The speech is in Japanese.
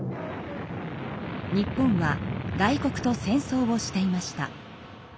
日本は外国と戦争をしていました。